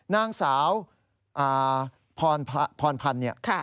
นางสาวพรพันธ์